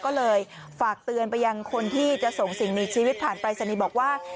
ก็เลยฝากเตือนไปยังคนที่จะส่งสิ่งมีชีวิตผ่านปรายศนีย์บอกว่า